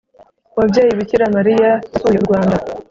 mubyeyi bikira mariya yasuye u rwanda